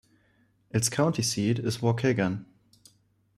Its county seat is Waukegan.